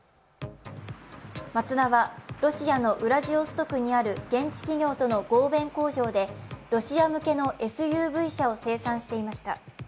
マツダはロシアのウラジオストクにある現地企業との合弁工場でロシア向けのＳＵＶ車を生産していました。